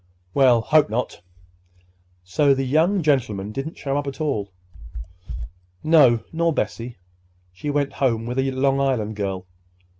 "We'll hope not. So the young gentleman didn't show up at all?" "No, nor Bessie. She went home with a Long Island girl.